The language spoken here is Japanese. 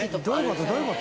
どういうこと？